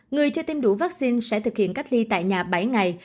người chưa tiêm đủ vaccine sẽ thực hiện cách ly tại nhà bảy ngày